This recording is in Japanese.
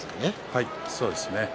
はい、そうですね。